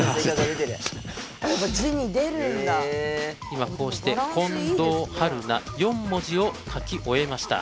今こうして近藤春菜４文字を書き終えました。